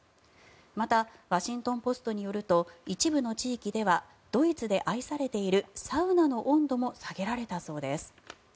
またワシントン・ポストによると一部の地域ではドイツで愛されているサウナの温度も下げられたそうです。